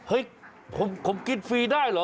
เฮ้ยผมกินฟรีได้เหรอ